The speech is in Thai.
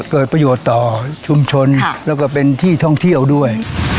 เกิดประโยชน์ต่อชุมชนแล้วก็เป็นที่ท่องเที่ยวด้วย